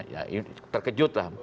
ya ini terkejut lah